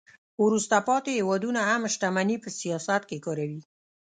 وروسته پاتې هیوادونه هم شتمني په سیاست کې کاروي